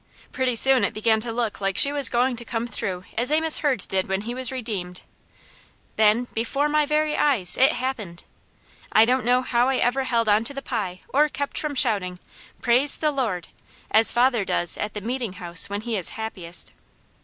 Pretty soon it began to look like she was going to come through as Amos Hurd did when he was redeemed. Then, before my very eyes, it happened! I don't know how I ever held on to the pie or kept from shouting, "Praise the Lord!" as father does at the Meeting House when he is happiest.